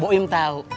bu im tau